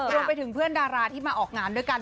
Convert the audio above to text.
รวมไปถึงเพื่อนดาราที่มาออกงานด้วยกัน